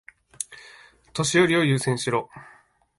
年寄りを優先しろ。